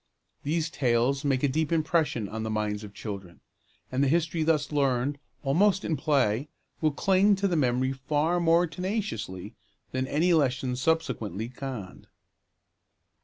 These tales make a deep impression on the minds of children, and the history thus learned almost in play will cling to the memory far more tenaciously than any lessons subsequently conned.